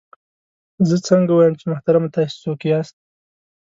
زه څنګه ووایم چې محترمه تاسې څوک یاست؟